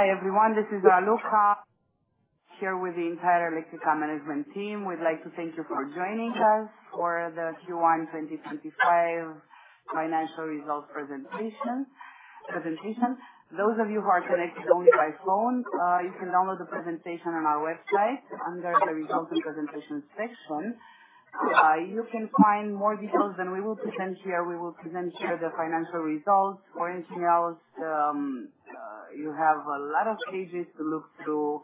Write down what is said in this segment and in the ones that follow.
Hi everyone, this is Raluca here with the entire Electrica Management Team. We'd like to thank you for joining us for the Q1 2025 financial results presentation. Those of you who are connected only by phone, you can download the presentation on our website under the results and presentation section. You can find more details than we will present here. We will present here the financial results. For anything else, you have a lot of pages to look through.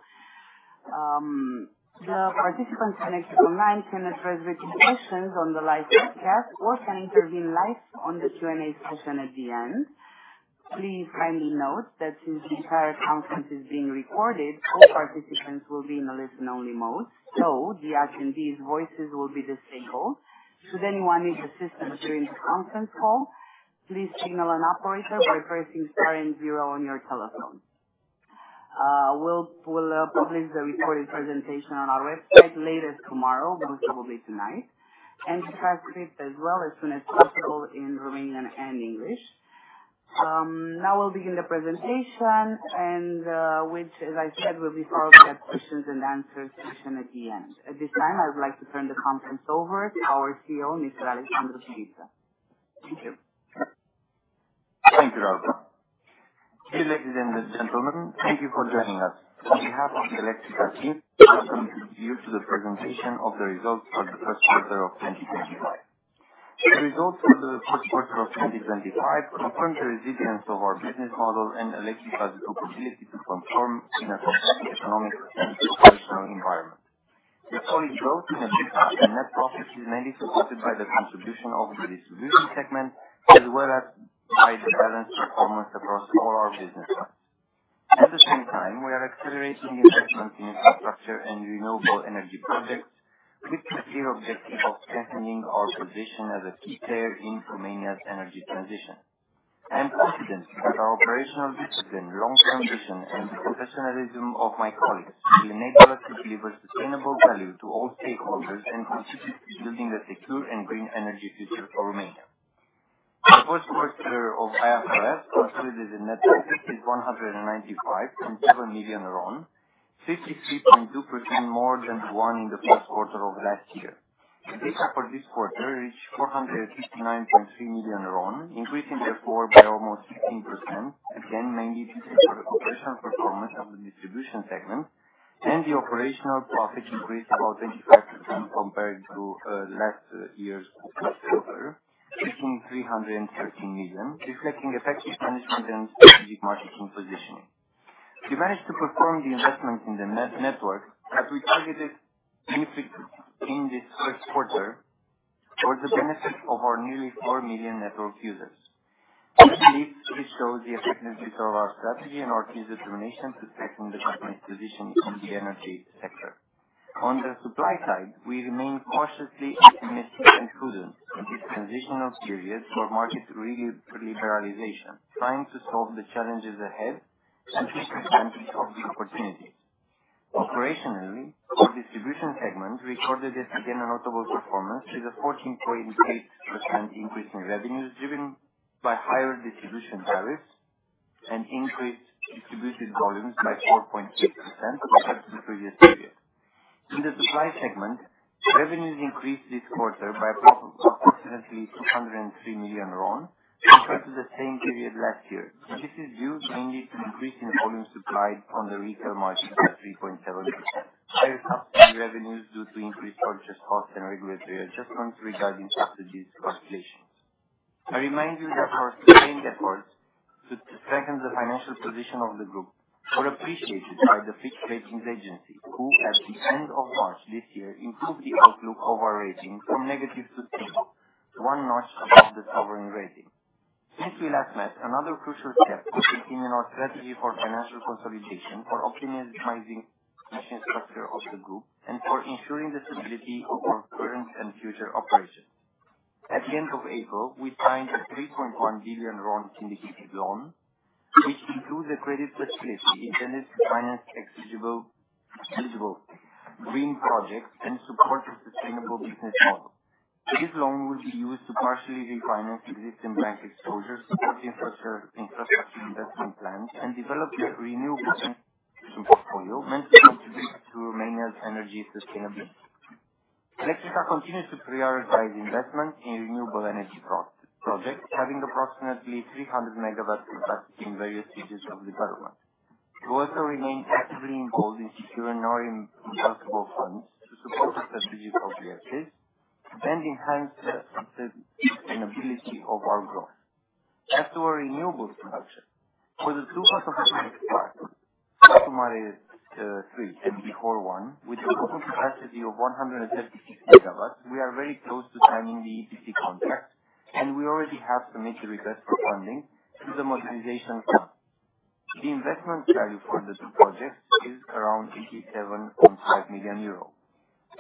The participants connected online can address written questions on the live chat or can intervene live on the Q&A session at the end. Please kindly note that since the entire conference is being recorded, all participants will be in a listen-only mode, so the attendees' voices will be disabled. Should anyone need assistance during the conference call, please signal an operator by pressing star and zero on your telephone. We'll publish the recorded presentation on our website later tomorrow, most probably tonight, and the transcript as well as soon as possible in Romanian and English. Now we'll begin the presentation, which, as I said, will be followed by a questions and answers session at the end. At this time, I would like to turn the conference over to our CEO, Mr. Alexandru Chiriță. Thank you. Thank you, Raluca. Dear ladies and gentlemen, thank you for joining us. On behalf of the Electrica Team, we would like to introduce you to the presentation of the results for the first quarter of 2025. The results for the first quarter of 2025 confirm the resilience of our business model and Electrica's capability to perform in a sustainable economic and operational environment. The solid growth in EBITDA and net profit is mainly supported by the contribution of the distribution segment, as well as by the balanced performance across all our business lines. At the same time, we are accelerating investments in infrastructure and renewable energy projects, with the clear objective of strengthening our position as a key player in Romania's energy transition. I am confident that our operational discipline, long-term vision, and the professionalism of my colleagues will enable us to deliver sustainable value to all stakeholders and contribute to building a secure and green energy future for Romania. The first quarter of IFRS constituted a net profit of RON 195.7 million, 53.2% more than the one in the first quarter of last year. EBITDA for this quarter reached RON 459.3 million, increasing therefore by almost 15%, again mainly due to the operational performance of the distribution segment, and the operational profit increased about 25% compared to last year's first quarter, reaching RON 313 million, reflecting effective management and strategic marketing positioning. We managed to perform the investments in the network that we targeted in this first quarter for the benefit of our nearly 4 million network users. This belief shows the effectiveness of our strategy and our key determination to strengthen the company's position in the energy sector. On the supply side, we remain cautiously optimistic and prudent in this transitional period for market re-liberalization, trying to solve the challenges ahead and take advantage of the opportunities. Operationally, the Distribution segment recorded yet again a notable performance with a 14.8% increase in revenues driven by higher distribution tariffs and increased distributed volumes by 4.8% compared to the previous period. In the Supply segment, revenues increased this quarter by approximately RON 203 million compared to the same period last year. This is due mainly to an increase in volumes supplied on the retail market by 3.7%, higher subsidy revenues due to increased purchase costs and regulatory adjustments regarding subsidies calculations. I remind you that our sustained efforts to strengthen the financial position of the group were appreciated by Fitch Ratings agency, who, at the end of March this year, improved the outlook of our rating from negative to positive, one notch above the sovereign rating. Since we last met, another crucial step will continue in our strategy for financial consolidation, for optimizing the structure of the group, and for ensuring the stability of our current and future operations. At the end of April, we signed a RON 3.1 billion syndicated loan, which includes a credit facility intended to finance eligible green projects and support a sustainable business model. This loan will be used to partially refinance existing bank exposures, support infrastructure investment plans, and develop a renewable energy portfolio meant to contribute to Romania's energy sustainability. Electrica continues to prioritize investment in renewable energy projects, having approximately 300 MW capacity in various stages of development. We also remain actively involved in securing our imputable funds to support the strategic objectives and enhance the sustainability of our growth. As to our renewables production, for the two photovoltaic parks, Satu Mare 3 and Bihor 1, with a total capacity of 136 MW, we are very close to signing the EPC contract, and we already have submitted requests for funding through the Modernization Fund. The investment value for the two projects is around 87.5 million euro.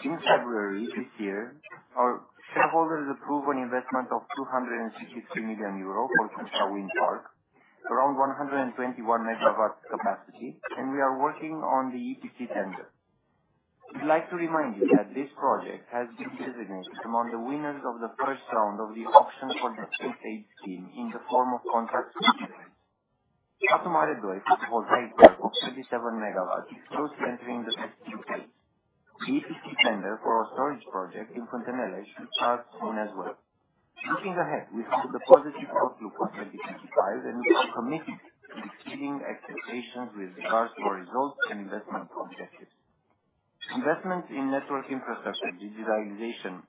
In February this year, our shareholders approved an investment of 263 million euro for Crucea Wind Park, around 121 MW, and we are working on the EPC tender. I'd like to remind you that this project has been designated among the winners of the first round of the auction for the state aid scheme in the form of contracts for the state. Satu Mare 2 photovoltaic project of 27 MW, is closely entering the execution phase. The EPC tender for our storage project in Fântânele should start soon as well. Looking ahead, we have the positive outlook for 2025, and we are committed to exceeding expectations with regards to our results and investment objectives. Investments in network infrastructure, digitalization,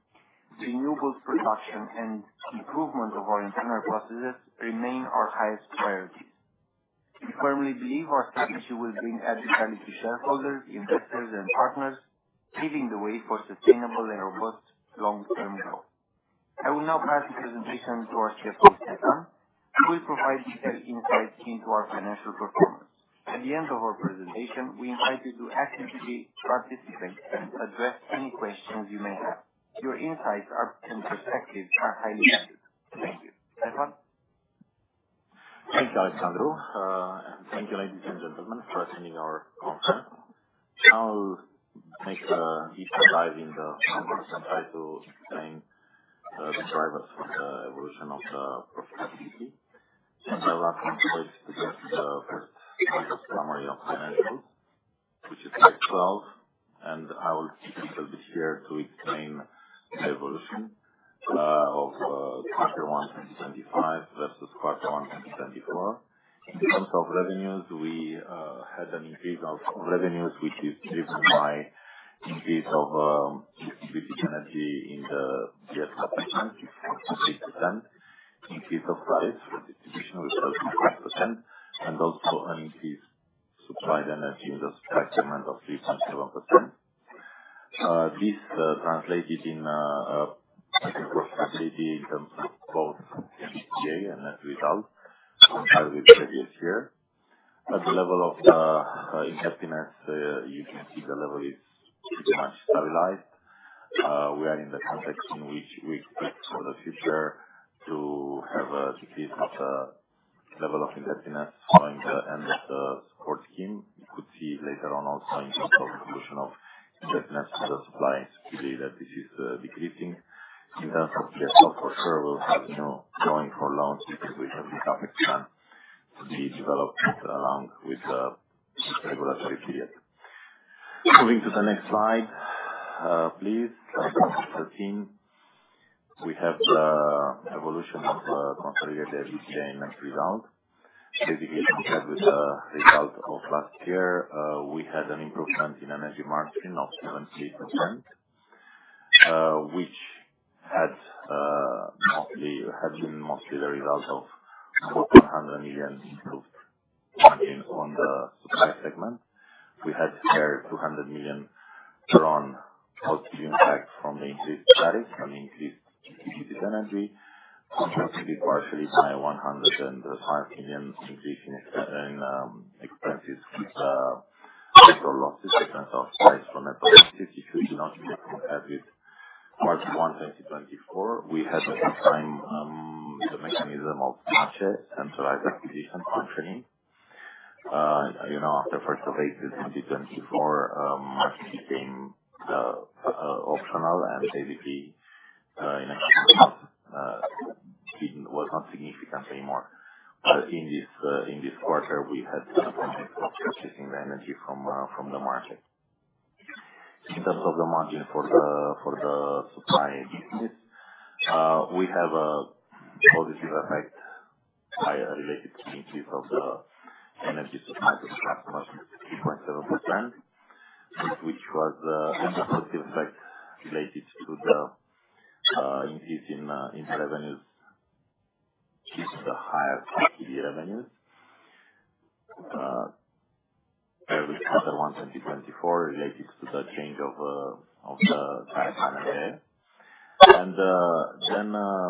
renewables production, and improvement of our internal processes remain our highest priorities. We firmly believe our strategy will bring added value to shareholders, investors, and partners, paving the way for sustainable and robust long-term growth. I will now pass the presentation to our CFO, Ștefan, who will provide detailed insights into our financial performance. At the end of our presentation, we invite you to actively participate and address any questions you may have. Your insights and perspectives are highly valued. Thank you. Ștefan? Thank you, Alexandru, and thank you, ladies and gentlemen, for attending our conference. I'll make each slide in the conference and try to explain the drivers for the evolution of the profitability. I'll ask my colleagues to give the first summary of financials, which is slide 12, and I will be here to explain the evolution of Q1 2025 versus Q1 2024. In terms of revenues, we had an increase of revenues, which is driven by an increase of distributed energy in the DSO segment, which is 48%. Increase of tariffs for distribution, which was 12.5%, and also an increase in supplied energy in the Supply segment of 3.7%. This translated in better profitability in terms of both EBITDA and net result, compared with previous year. At the level of indebtedness, you can see the level is pretty much stabilized. We are in the context in which we expect for the future to have a decrease of the level of indebtedness following the end of the support scheme. You could see later on also in terms of evolution of indebtedness to the supply and security that this is decreasing. In terms of DSO, for sure, we'll have a new drawing for loans because we have CapEx plan to be developed along with the regulatory period. Moving to the next slide, please, slide 13. We have the evolution of the consolidated EBITDA and net result. Basically, compared with the result of last year, we had an improvement in energy margin of 78%, which had been mostly the result of over RON 100 million improved margin on the Distribution segment. We had a higher RON 200 million positive impact from the increased tariffs and increased distributed energy, compensated partially by RON 105 million increase in expenses with the network losses. difference of price for network losses. It should be noted that compared with Q1 2024, we had at the time the mechanism of MACEE centralized acquisition functioning. After first of April 2024, MACEE became optional and basically in a couple of months was not significant anymore. In this quarter, we had an improvement of purchasing the energy from the market. In terms of the margin for the Supply business, we have a positive effect related to the increase of the energy supply to the customers, which is 3.7%, which was a positive effect related to the increase in revenues due to the higher subsidy revenues compared with Q1 2024 related to the change of the guide ANRE.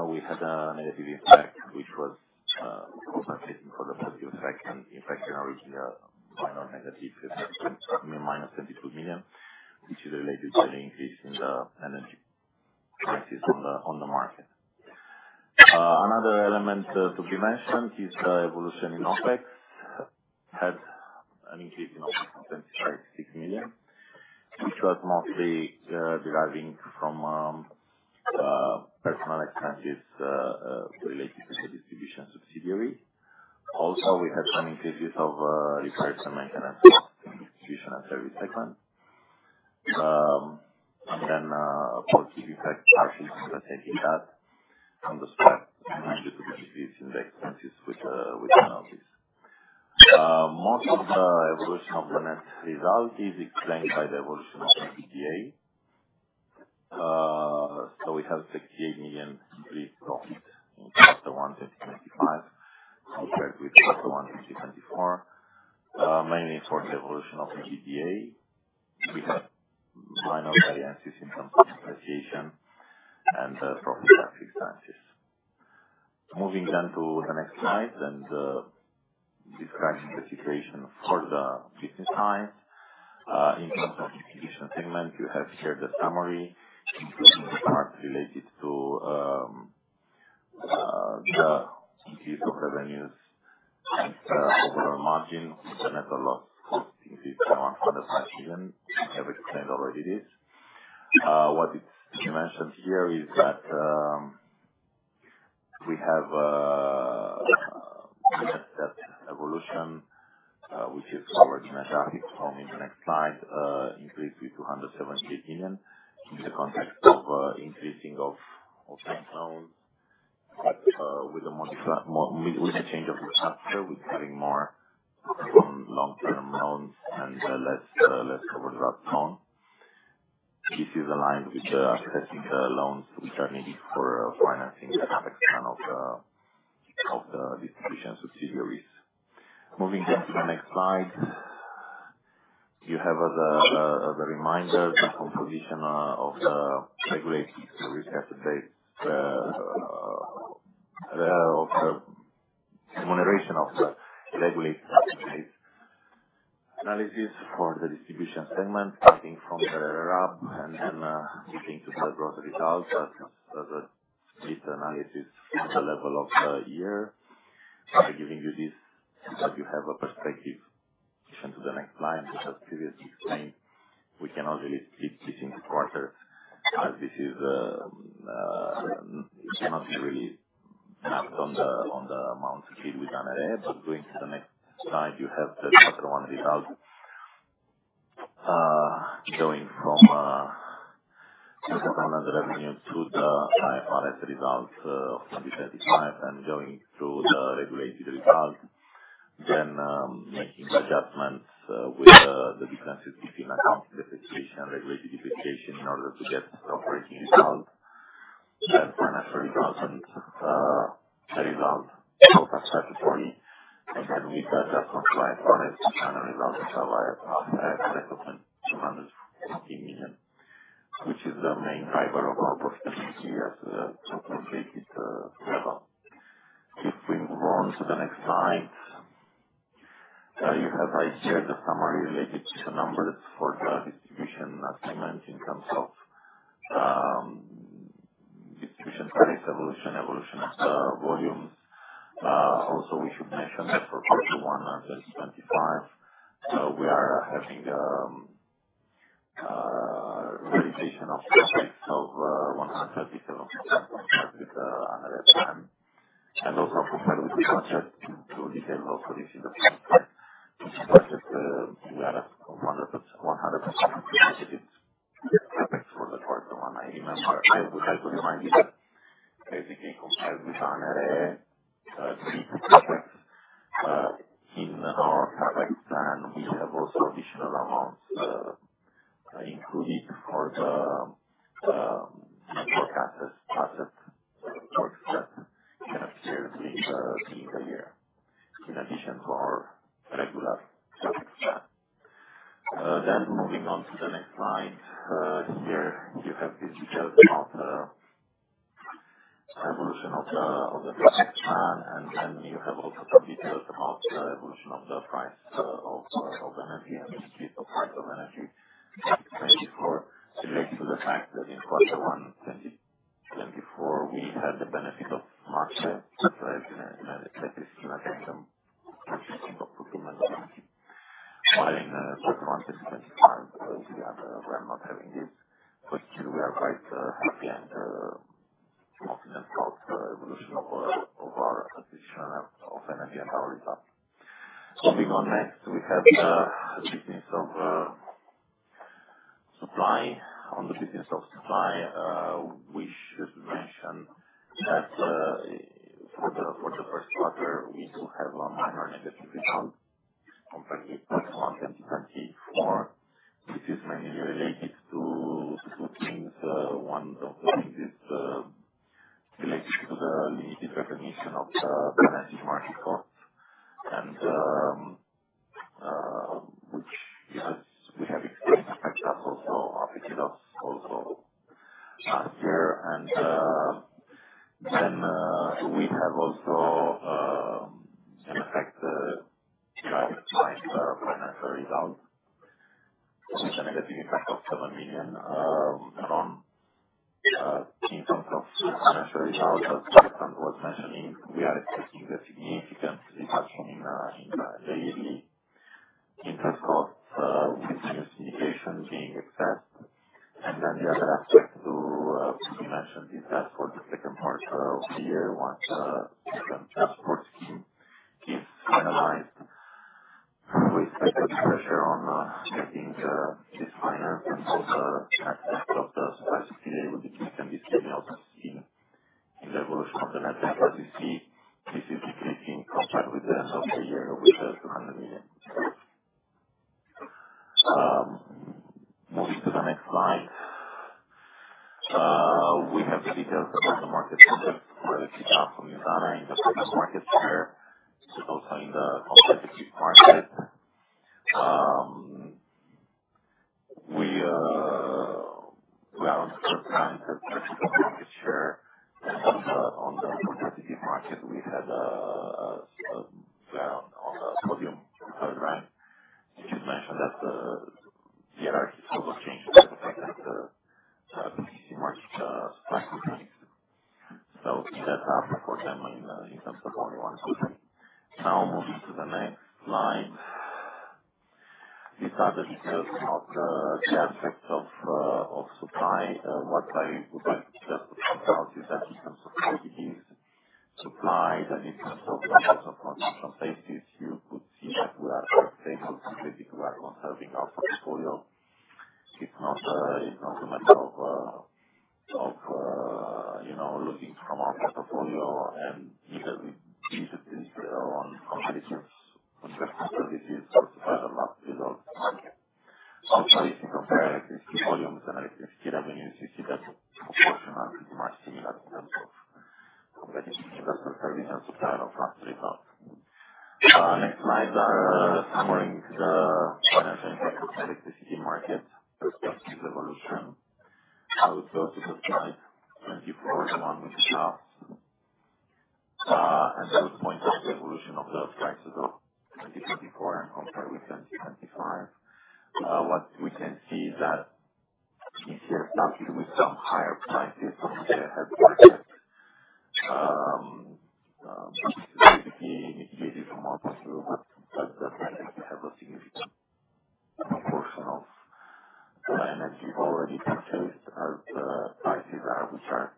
We had a negative impact, which was compensating for the positive effect and impacting our original final negative minus RON 22 million, which is related to the increase in the energy prices on the market. Another element to be mentioned is the evolution in OpEx. We had an increase in OpEx of RON 26 million, which was mostly deriving from personnel expenses related to the distribution subsidiary. Also, we had some increases of repairs and maintenance in the Distribution and Service segment. A positive impact partially compensating that from the Supply segment due to the decrease in the expenses with penalties. Most of the evolution of the net result is explained by the evolution of EBITDA. We have RON 68 million increased profit in Q1 2025 compared with Q1 2024, mainly for the evolution of EBITDA. We have minor variances in terms of depreciation and profit tax expenses. Moving then to the next slide and describing the situation for the business side. In terms of Distribution segment, you have here the summary, including the part related to the increase of revenues and overall margin with the network loss increased by RON 105 million. I have explained already this. What it's mentioned here is that we have net debt evolution, which is covered in the graphic shown in the next slide, increased with RON 278 million in the context of increasing of bank loans, but with a change of the structure with having more long-term loans and less overdraft drawn. This is aligned with accessing the loans which are needed for financing the CapEx plan of the distribution subsidiaries. Moving then to the next slide, you have as a reminder the composition of the regulated risk asset base of the remuneration of the regulatory asset base analysis for the Distribution segment starting from the RRAB and then leading to the gross result, as a split analysis at the level of the year. By giving you this, you have a perspective to the next slide, which I've previously explained. We can only split this into quarters as it cannot be really mapped on the amount agreed with ANRE. But going to the next slide, you have the Q1 result going from the total revenue to the IFRS result of 2025 and going through the regulated result, then making adjustments with the differences between accounting depreciation and regulated depreciation in order to get the operating result, then financial results and result both as statutory, and then with the adjustment for IFRS, the final result is IFRS of RON 214 million, which is the main driver of our profitability at the consolidated level. If we move on to the next slide, you have right here the summary related to numbers for the Distribution segment in terms of distribution tariff evolution, evolution of the volumes. Also, we should mention that for Q1 2025, we are having a realization of CapEx of 137% compared with the ANRE plan and also compared with the budget. To detail also this is the following slide, with the budget we are at 100% budgeted CapEx for the Q1. I would like to remind you that basically compared with the ANRE, agreed CapEx in our CapEx plan, we have also additional amounts included for the network asset works that can appear during the year, in addition to our regular CapEx plan. Moving on to the next slide, here you have these details about the evolution of the CapEx plan, and then you have also some details about the evolution of the price of energy and the increase of price of energy. As explained before, related to the fact that in Q1 2024, we had the benefit of MACEE centralized electricity mechanism of purchasing or procurement of energy. While in Q1 2025, we are not having this, but still we are quite happy and confident about the evolution of our acquisition of energy and our results. Moving on next, we have the business of supply. On the business of supply, we should mention that for the first quarter, we do have a minor negative result compared with Q1 2024. This is mainly related to two things. One of the things is related to the limited recognition of the balancing market costs, which we have explained the fact has also affected us also last year. Then we have also an effect in our financial result with a negative impact of RON 7 million in terms of financial result. As Alexandru was mentioning, we are expecting a significant reduction in the yearly interest costs with new syndications being accessed. The other aspect to be mentioned is that for the second part of the year, once the transport scheme is finalized, we expect that the pressure on getting this financed and on the net debt of the supply subsidiary with decrease. This can also be seen in the evolution of the net debt. As you see, this is decreasing compared with the end of the year with RON 200 million. Moving to the next slide, we have the details about the market context for Electrica Furnizare in the total market share, also in the competitive market. We are on the first rank of the market share, and on the competitive market, we are on the podium, third rank. I should mention that the hierarchies also changed due to the fact that PPC merged the supply companies. So, it adds up for them in terms of only one company. Now moving to the next slide, these are the details about the key aspects of supply. What I would like just to point out is that in terms of quantities supplied, then in terms of numbers of consumption places, you could see that we are quite stable so basically, we are conserving our portfolio. It's not a matter of losing from our portfolio and either be on competitive universal services or supplier of last resort market. Also, if you compare electricity volumes and electricity revenues, you see that the proportion is much similar in terms of competitive universal service and supply of last result. Next slides are summarizing the financial impact of the electricity market versus evolution. I would go to the slide 24, the one with the graph, and I would point out the evolution of the prices of 2024 and compare with 2025. What we can see is that this year started with some higher prices on the Day Ahead Market. This is basically mitigated from our point of view. The fact that we have a significant proportion of the energy already purchased at prices which are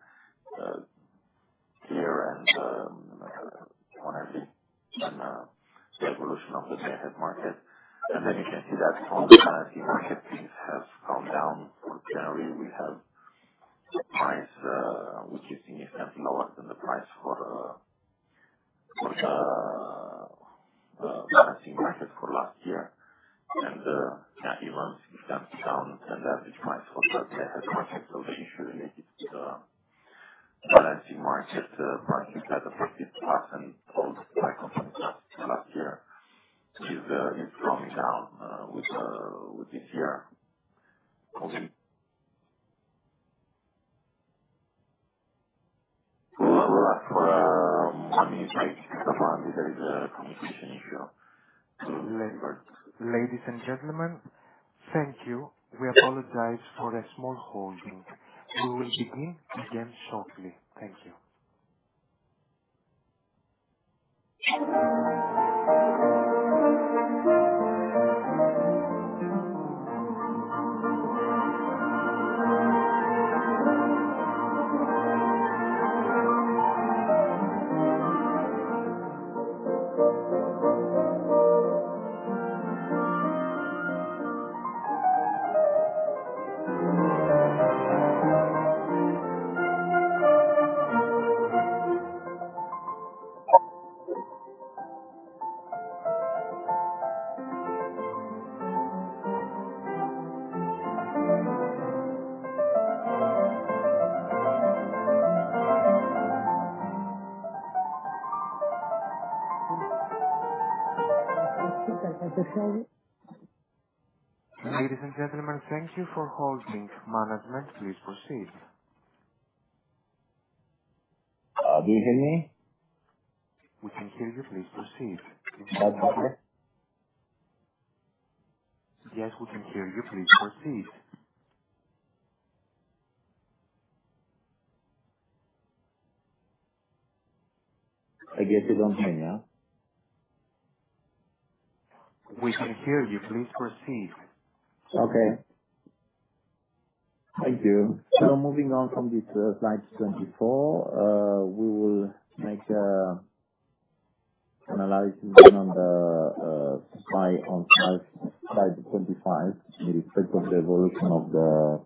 Ladies and gentlemen, thank you for holding. Management, please proceed. Do you hear me? We can hear you. Please proceed. Yes, we can hear you. Please proceed. I guess you do not hear me. We can hear you. Please proceed. Okay. Thank you. Moving on from this slide 24, we will make an analysis on the supply on slide 25 with respect of the evolution of the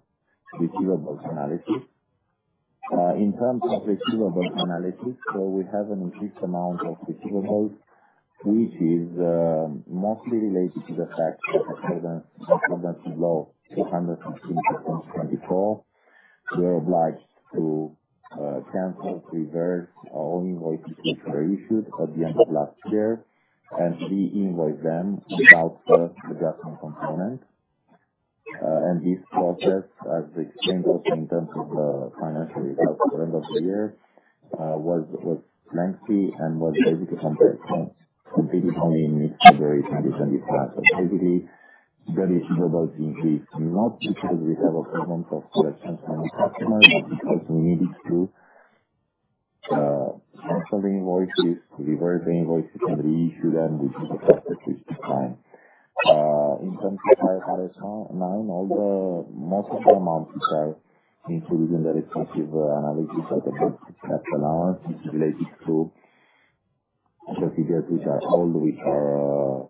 receivables analysis. In terms of receivables analysis, we have an increased amount of receivables, which is mostly related to the fact that according to law 213 by 2024, we are obliged to cancel, reverse all invoices which were issued at the end of last year and re-invoice them without the adjustment component. This process, as explained also in terms of the financial results at the end of the year, was lengthy and was basically completed only in mid-February 2025. Basically, the receivables increased not because we have a problem of questions from the customers, but because we needed to cancel the invoices, reverse the invoices, and reissue them, which is a process which took time. In terms of IFRS 9, most of the amounts which are included in the respective analysis at the bad debt allowance is related to procedures which are old, which are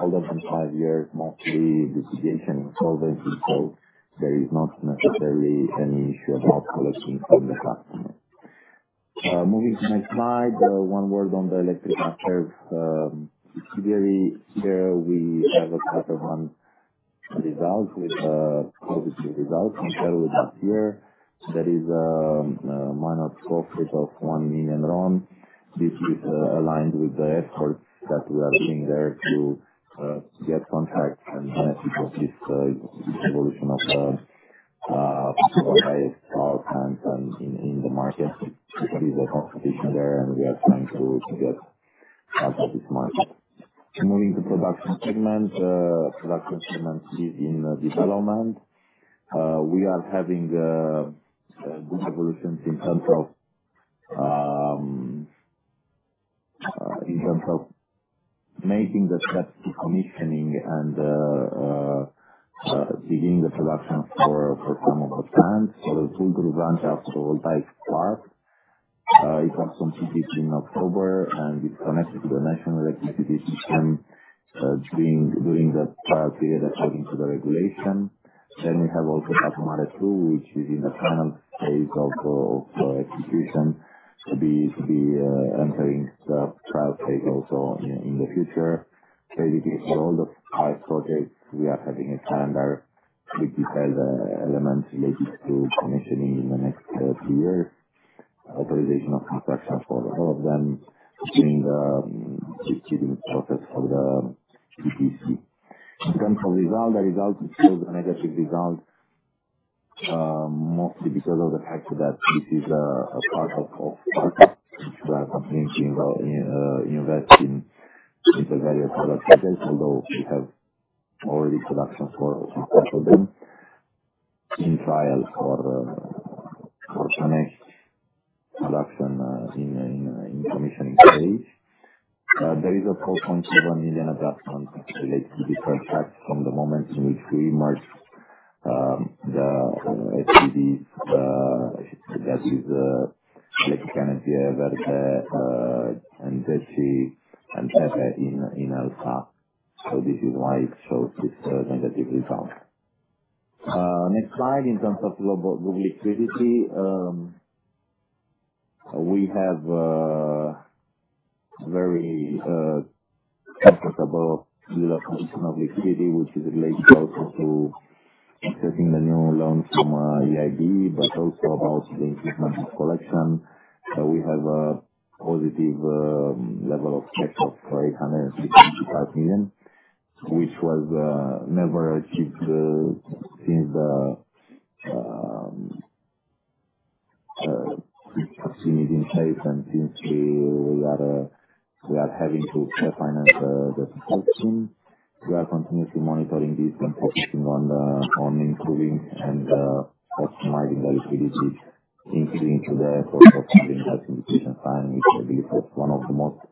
older than five years, mostly litigation insolvency. There is not necessarily any issue about collecting from the customer. Moving to next slide, one word on the Electrica Serv subsidiary. Here we have a Q1 result with a positive result compared with last year. There is a minor profit of RON 1 million. This is aligned with the efforts that we are doing there to get contracts and benefit of this evolution of the photovoltaic power plants in the market. There is a competition there, and we are trying to get part of this market. Moving to production segment. Production segment is in development. We are having good evolutions in terms of making the steps to commissioning and beginning the production for some of the plants. For the Vulturu, Vrancea photovoltaic park, it was completed in October, and it is connected to the national electricity system during the trial period according to the regulation. We also have Satu Mare 2, which is in the final stage of execution, to be entering the trial phase also in the future. Basically, for all the five projects, we are having a calendar with detailed elements related to commissioning in the next two years. Authorization of construction for all of them, doing the bidding process for the EPC. In terms of result, the result is still a negative result, mostly because of the fact that this is a part of startup which we are continuing to invest in the various other projects, although we have already production for part of them in trial for the next production in commissioning phase. There is a RON 4.7 million adjustment related to deferred tax from the moment in which we merged the SPVs, that is Electrica Energie Verde and GEC&I, and EPE and ELSA. This is why it shows this negative result. Next slide. In terms of global liquidity, we have very comfortable position of liquidity, which is related also to accessing the new loans from EIB, but also about the improvement of collection. We have a positive level of cash of RON 885 million, which was never achieved since the support scheme is in place and since we are having to refinance the support scheme. We are continuously monitoring this and focusing on improving and optimizing the liquidity, including through the effort of having that syndication sign, which I believe is one of the most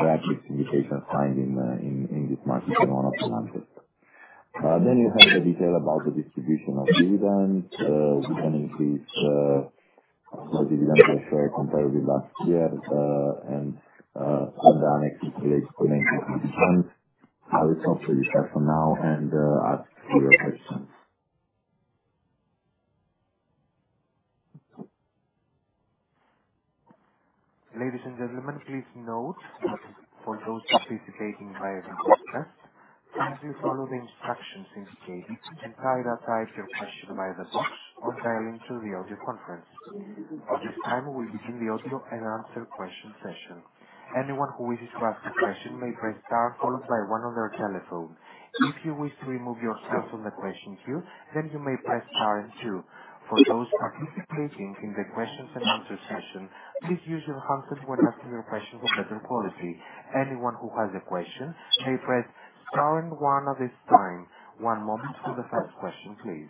rapid syndications signed in this market and one of the largest. You have the detail about the distribution of dividends with an increase the dividend per share compared with last year, and on the annexes related to main corporate events. I will stop the discussion now and ask for your questions. Ladies and gentlemen, please note that for those participating via video chat, kindly follow the instructions indicated and try to type your question by the box or dial into the audio conference. At this time, we begin the audio and answer-your-question session. Anyone who wishes to ask a question may press star followed by one on their telephone. If you wish to remove yourself from the question queue, then you may press star and two. For those participating in the question and answer session, please use your hands when asking your question for better quality. Anyone who has a question may press star and one at this time. One moment for the first question, please.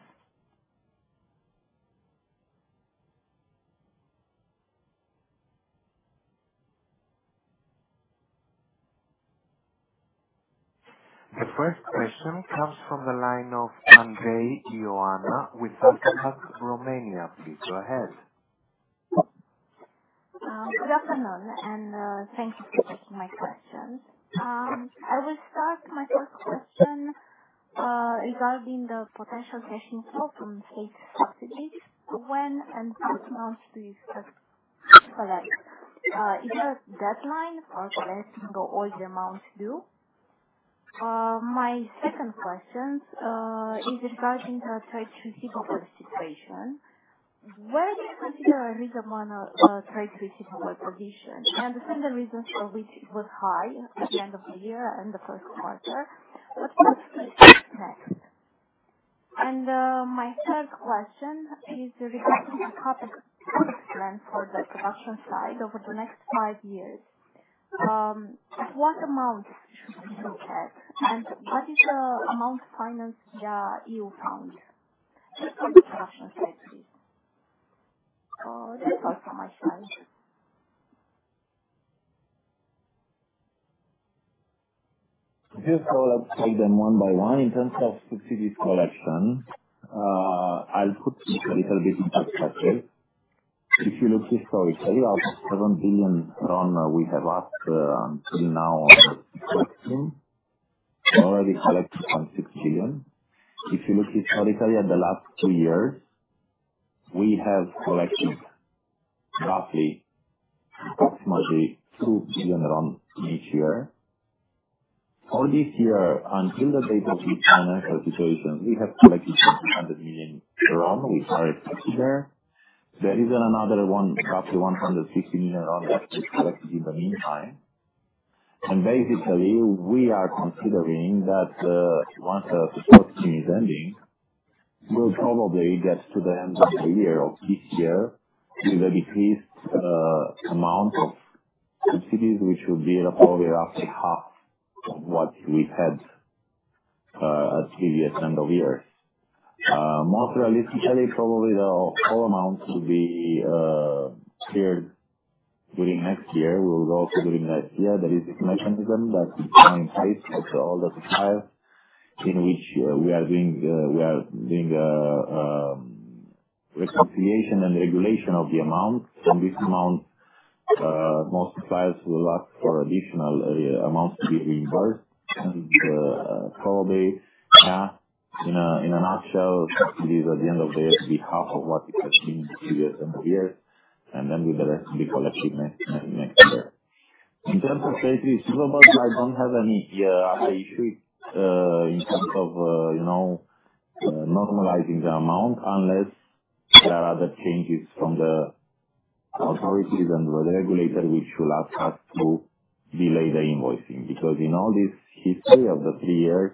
The first question comes from the line of Andrei Ioana with Alpha Bank Romania. Please go ahead. Good afternoon, and thank you for taking my question. I will start my first question regarding the potential cash inflow from state subsidies. When and how many amounts do you expect to collect? Is there a deadline for collecting all the amounts due? My second question is regarding the trade receivables situation. Where do you consider a reasonable trade receivable position? I understand the reasons for which it was high at the end of the year and the first quarter, but what do you expect next? My third question is regarding the CapEx plan for the production side over the next five years. What amounts should we looked at, and what is the amount financed via EU funds? Just from the production side, please. That's all from my side. Le's take them one by one. In terms of subsidies collection, I'll put this a little bit into perspective. If you look historically, out of RON 7 billion we have asked until now on the support scheme, we already collected RON 6 billion. If you look historically at the last two years, we have collected roughly approximately RON 2 billion each year. For this year, until the date of this financial situation, we have collected RON 200 million, which are reflected there. There is another one, roughly RON 150 million that was collected in the meantime. Basically, we are considering that once the support scheme is ending, we'll probably get to the end of the year of this year with a decreased amount of subsidies, which will be probably roughly half of what we've had at previous end of years. Most realistically, probably the whole amount will be cleared during next year. We will also during next year, there is this mechanism that is now in place with all the suppliers in which we are doing reconciliation and regulation of the amounts. From this amount, most suppliers will ask for additional amounts to be reimbursed. Probably, yeah, in a nutshell, subsidies at the end of the year will be half of what it has been in previous end of year, and then the rest will be collected next year. In terms of trade receivables, I do not have any other issues in terms of normalizing the amount unless there are other changes from the authorities and the regulator, which will ask us to delay the invoicing. Because in all this history of the three years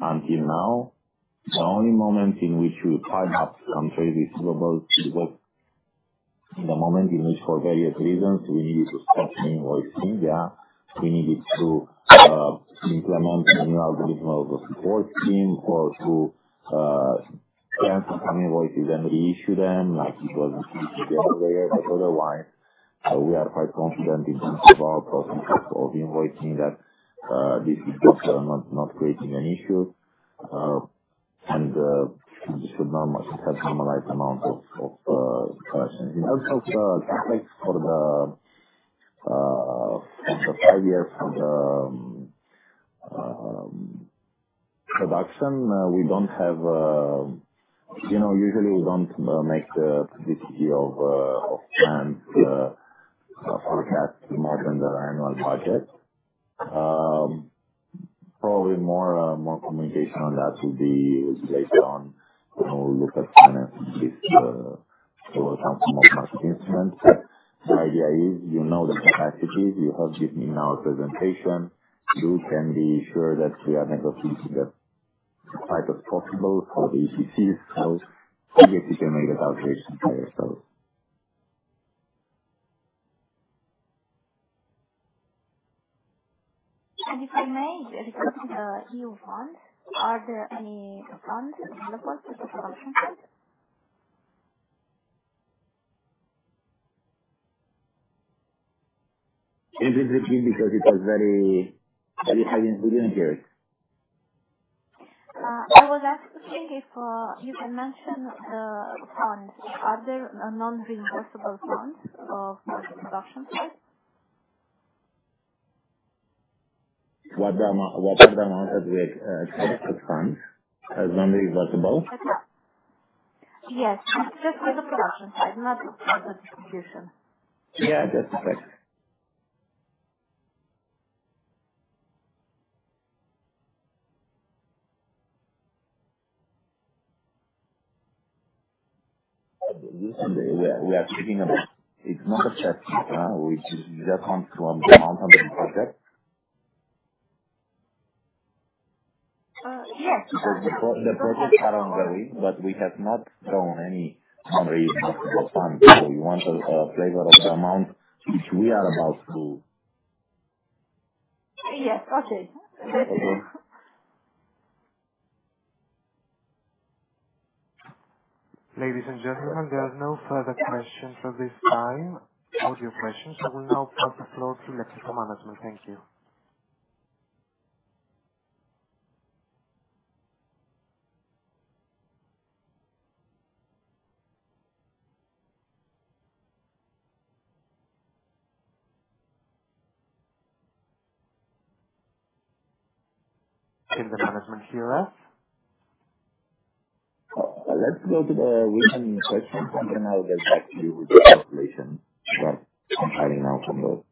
until now, the only moment in which we piled up some trade receivables was the moment in which, for various reasons, we needed to stop the invoicing. Yeah, we needed to implement a new algorithm of the support scheme or to cancel some invoices and reissue them like it was the case at the end of the year. Otherwise, we are quite confident in terms of our process of invoicing that this is just not creating an issue and should have normalized the amount of collections. In terms of the CapEx for the five years of the production, we do not usually, we do not make the publicity of plans forecast more than the annual budget. Probably more communication on that will be based on when we look at financing this through some form of market instruments. The idea is you know the capacities we have in our presentation. You can be sure that we are negotiating as tight as possible for the EPCs, so you can make that calculation by yourself. If we may, regarding the EU funds, are there any funds available to the production side? Can you please repeat because it was very—we didn't hear it? I was asking if you can mention the funds. Are there non-reimbursable funds for the production side? What are the amounts that we access ass fund as non-reimbursable? Yes. Just for the production side, not for the distribution. Yeah, just a sec. We are speaking about — it is not accessed yet. We just want to — the amount under the project because the project is ongoing, but we have not drawn any non-reimbursable funds. So you want a flavor of the amount which we are about to. Yes. Okay. That's it. Ladies and gentlemen, there are no further questions at this time, audio questions. I will now pass the floor to Electrica Management. Thank you. Can the Management hear us? Let's go to the written questions, and then I'll get back to you with the calculation for the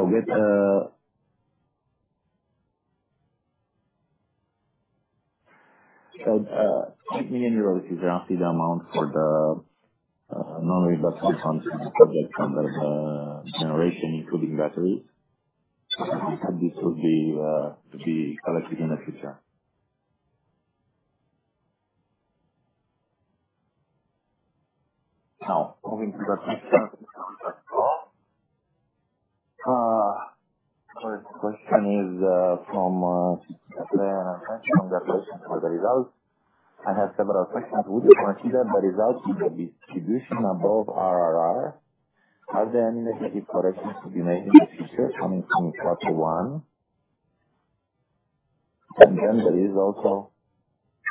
non-reimbursable. So 8 million euros is roughly the amount for the non-reimbursable funds from the projects under the generation, including batteries. This will be collected in the future. Now, moving to the questions on written form. First question is from Cristian Petre. Congratulations for the results. I have several questions. Would you consider the results in the distribution above RRR? Are there any negative corrections to be made in the future coming from quarter one? And then there is also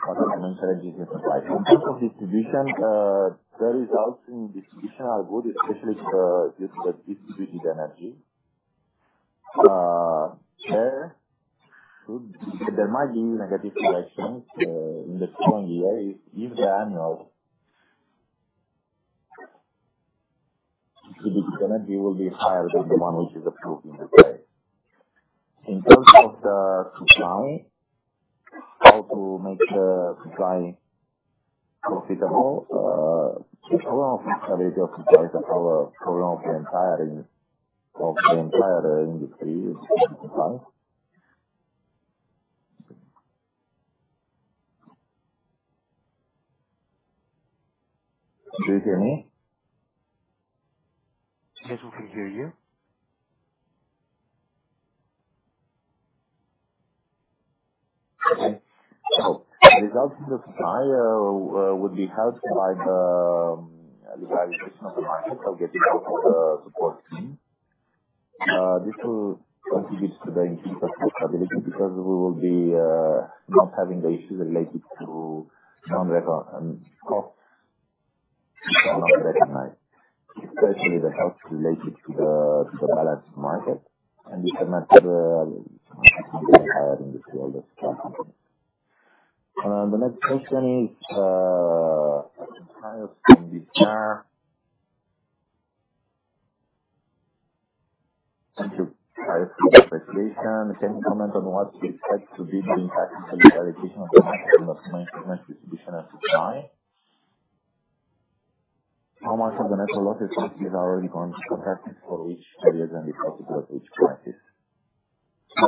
quarter one energy supply. In terms of distribution, the results in distribution are good, especially due to the distributed energy. There might be negative corrections in the following year if the annual distribution energy will be higher than the one which is approved in the phase. In terms of the supply, how to make the supply profitable? The problem of the stability of supply is a problem of the entire industry for the supply. Do you hear me? Yes, we can hear you. Okay. The results in the supply would be helped by the liberalization of the market, so getting out of the support scheme. This will contribute to the increase of profitability because we will be not having the issues related to non-recognized costs that are not recognized, especially the costs related to the balancing market. And it's a matter affecting the entire industry, all the supply companies. The next question is from Caius Rapanu from BCR. Thank you, Caius, for the appreciation. Can you comment on what you expect to be the impact of the liberalization of the market on the two main segments, Distribution and Supply? How much of the network losses are already contracted for which periods and if possible, at which prices? In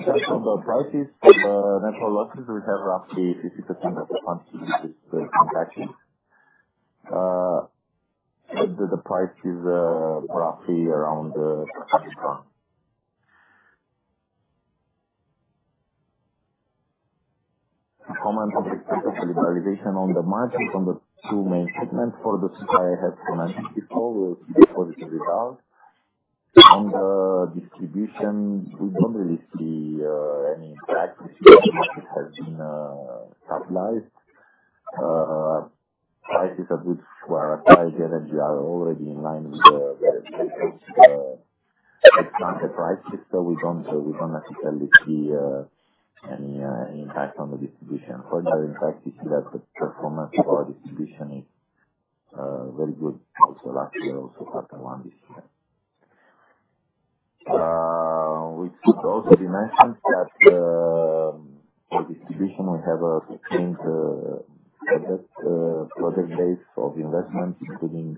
terms of the prices for the network losses, we have roughly 50% of the quantity, which is contracted. The price is roughly around RON 500. Comment on the effect of liberalization on the market on the two main segments. For the Supply, I have commented before, we will see positive results. On the Distribution, we do not really see any impact. The market has been stabilized. Prices at which we are acquiring the energy are already in line with the ex-ante prices, so we do not necessarily see any impact on the Distribution. Further impact, we see that the performance for our Distribution is very good also last year, also quarter one this year. It should also be mentioned that for Distribution, we have a sustained project base of investment, including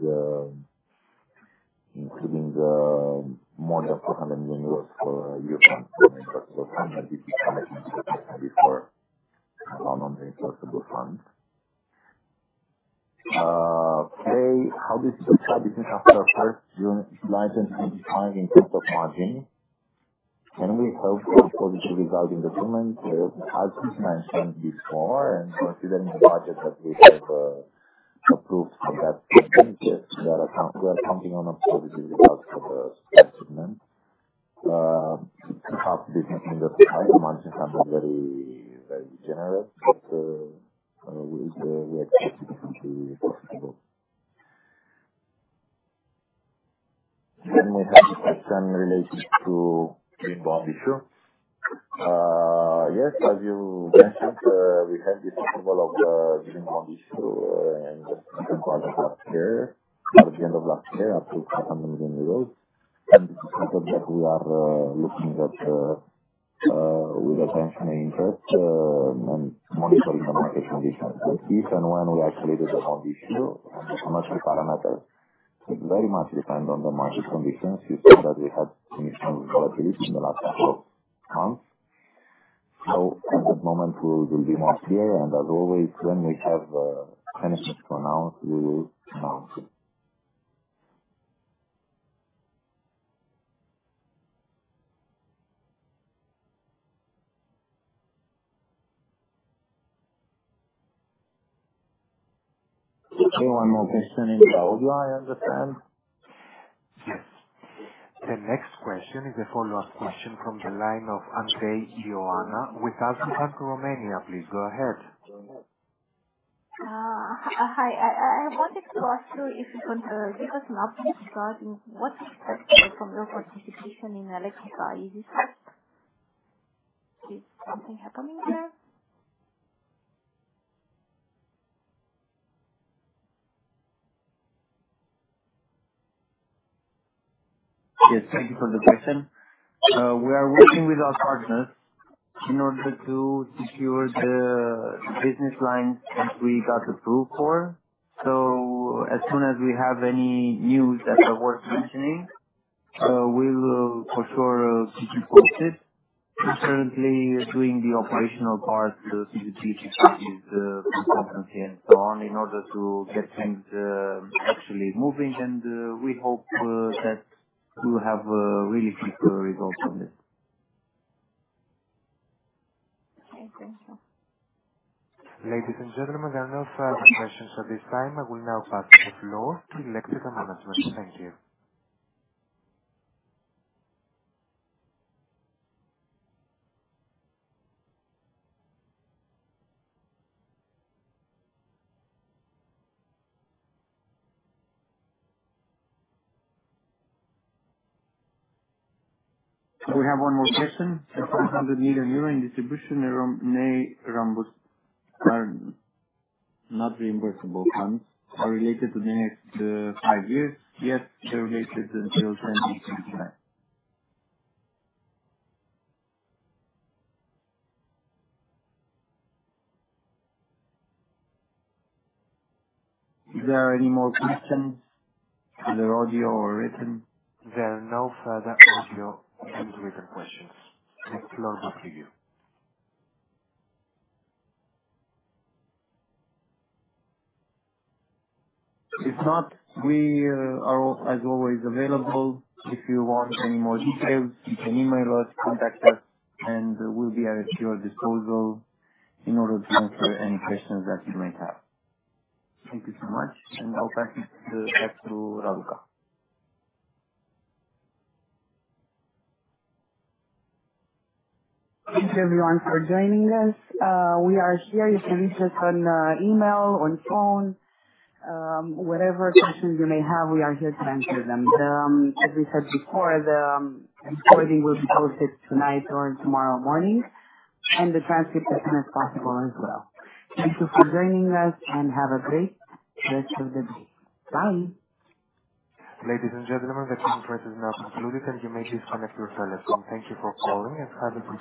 more than 400 million euros for EU funds, non-reimbursable funds, and this is connecting to the question before about non-reimbursable funds. Okay, how do you see the supply business after 1st July 2025 in terms of margin? Can we hope for positive results in the tooling? As we mentioned before, and considering the budget that we have approved for that segment, we are counting on a positive result for the Supply segment. It's a tough business in the Supply. The margins are very generous, but we expect it to be profitable. We have a question related to green bond issue. Yes, as you mentioned, we have this approval of the green bond issue in the second part of last year, or at the end of last year, up to 500 million euros. This is a project that we are looking at with attention and interest and monitoring the market conditions. If and when we actually do the bond issue and the commercial parameters, it very much depends on the market conditions. You see that we had significant volatility in the last couple of months. At that moment, we will be more clear. As always, when we have anything to announce, we will announce it. Okay, one more question in the audio I understand? Yes. The next question is a follow-up question from the line of Andrei Ioana with Alpha Bank Romania. Please go ahead. Hi, I wanted to ask you if you can give us an update regarding what you expect from your participation in Electrica Esyasoft?. Is something happening there? Yes, thank you for the question. We are working with our partners in order to secure the business lines that we got approved for. As soon as we have any news that is worth mentioning, we will for sure keep you posted. We're currently doing the operational part, feasibility studies, consultancy, and so on in order to get things actually moving. We hope that we will have really quick results on this. Okay, thank you. Ladies and gentlemen, there are no further questions at this time. I will now pass the floor to Electrica Management. Thank you. We have one more question. The 400 million euro in Distribution around May are not reimbursable funds related to the next five years? Yes, they're related until 2029. Is there any more questions, either audio or written? There are no further audio and written questions. The floor back to you. If not, we are as always available. If you want any more details, you can email us, contact us, and we'll be at your disposal in order to answer any questions that you might have. Thank you so much, and I'll pass it to Raluca. Thank you, everyone, for joining us. We are here. You can reach us on email, on phone, whatever questions you may have. We are here to answer them. As we said before, the recording will be posted tonight or tomorrow morning, and the transcript as soon as possible as well. Thank you for joining us, and have a great rest of the day. Bye. Ladies and gentlemen, the call for us is now concluded, and you may disconnect your telephone. Thank you for calling and have a good day.